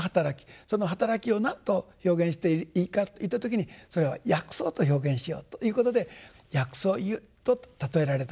その働きを何と表現していいかといった時にそれは「薬草」と表現しようということで「薬草喩」と譬えられたんだと。